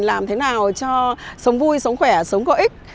làm thế nào cho sống vui sống khỏe sống có ích